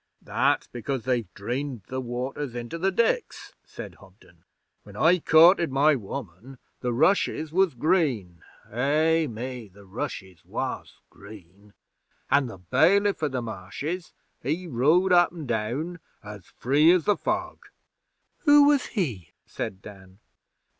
'That's because they've dreened the waters into the diks,' said Hobden. 'When I courted my woman the rushes was green Eh me! the rushes was green an' the Bailiff o' the Marshes he rode up and down as free as the fog.' 'Who was he?' said Dan.